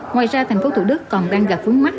ngoài ra tp hcm còn đang gặp phướng mắt